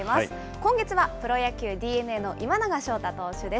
今月はプロ野球・ＤｅＮＡの今永昇太投手です。